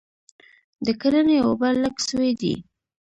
د کرني اوبه لږ سوي دي